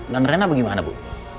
dan reina bagaimana bu